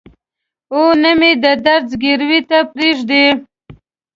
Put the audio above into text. او نه مې د درد ځګروي ته پرېږدي.